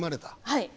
はい。